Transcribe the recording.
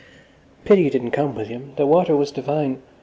"Pity you didn't come, William. The water was divine.